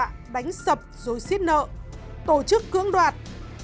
những sập rồi xít nợ tổ chức cưỡng đoạt